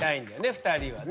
２人はね。